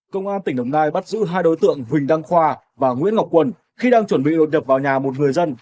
công an tỉnh đồng nai bắt giữ hai đối tượng huỳnh đăng khoa và nguyễn ngọc quân khi đang chuẩn bị đột nhập vào nhà một người dân